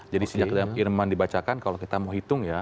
jadi sejak irman dibacakan kalau kita mau hitung ya